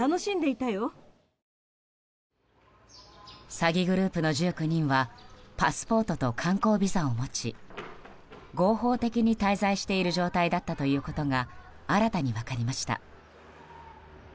詐欺グループの１９人はパスポートと観光ビザを持ち合法的に滞在している状態だったということが新たに分かりました。